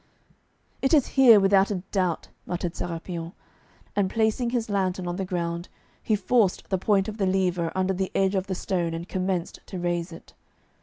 'It is here without a doubt,' muttered Sérapion, and placing his lantern on the ground, he forced the point of the lever under the edge of the stone and commenced to raise it.